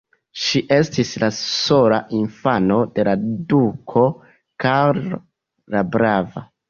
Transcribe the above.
Ŝi estis la sola infano de la duko Karlo la brava.